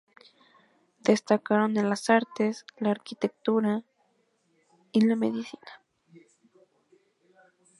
Destacaron en las artes, la arquitectura y la medicina.